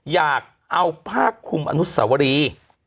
อยากเอาผ้าคลุมอนุสวรี